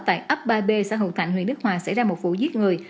tại ấp ba b xã hữu thạnh huyện đức hòa xảy ra một vụ giết người